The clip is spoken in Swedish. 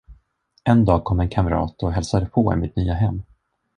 En dag kom en kamrat och hälsade på i mitt nya hem.